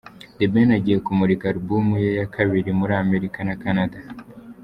The Ben agiye kumurika alubumu ye ya kabiri muri Amerika na Canada.